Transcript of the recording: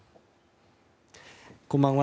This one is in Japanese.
こんばんは。